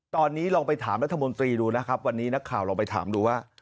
ตอนนี้ลองไปถามรัฐมนตรีดูนะครับวันนี้นักข่าวลองไปถามดูว่า